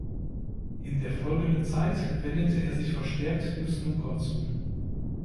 In der folgenden Zeit wendete er sich verstärkt dem Snooker zu.